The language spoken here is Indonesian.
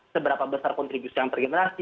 seberapa besar kontribusi antar generasi